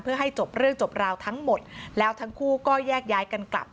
เพื่อให้จบเรื่องจบราวทั้งหมดแล้วทั้งคู่ก็แยกย้ายกันกลับ